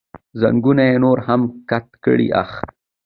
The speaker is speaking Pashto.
زنګون یې نور هم کت کړ، اخ.